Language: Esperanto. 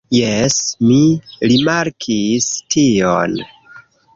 Jes, mi rimarkis tion.